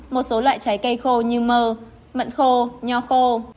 một số loại trái cây khô như mơ mận khô nho khô